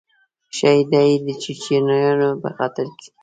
ښایي دا یې د چیچنیایانو په خاطر.